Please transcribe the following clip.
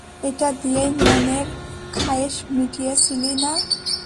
এটা দিয়েই মনের খায়েশ মিটিয়েছিলি না?